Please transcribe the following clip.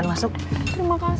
aku mau sebentar